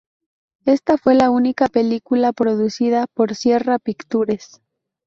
Esta fue la única película producida por Sierra Pictures.